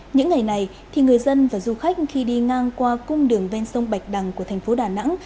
những ngày này thì người dân và du khách khi đi ngang qua cung đường ven sông bạch đằng của thành phố đà nẵng